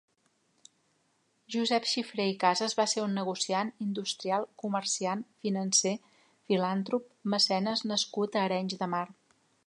Josep Xifré i Casas va ser un negociant, industrial, comerciant, financer, filàntrop, mecenas nascut a Arenys de Mar.